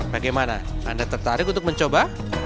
bagaimana anda tertarik untuk mencoba